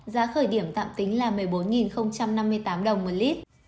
giá khởi điểm tạm tính là một mươi bốn năm mươi tám đồng một lít